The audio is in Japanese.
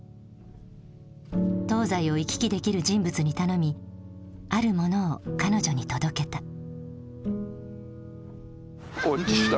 東西を行き来できる人物に頼みあるものを彼女に届けた。